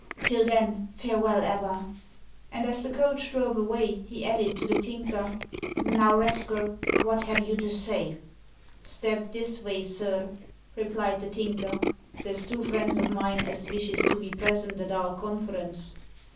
Till then, farewell, Ebba." And, as the coach drove away, he added to the Tinker, "Now, rascal, what have you to say?" "Step this vay, sir," replied the Tinker. "There's two friends o' mine as vishes to be present at our conference.